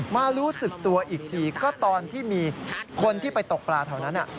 รู้สึกตัวอีกทีก็ตอนที่มีคนที่ไปตกปลาแถวนั้น